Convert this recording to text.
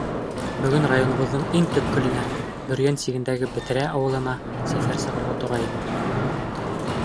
— Бөгөн районыбыҙҙың иң төпкөлөнә, Бөрйән сигендәге Бетерә ауылына, сәфәр сығырға тора инем.